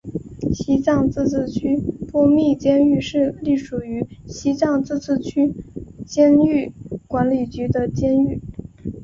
西藏自治区波密监狱是隶属于西藏自治区监狱管理局的监狱。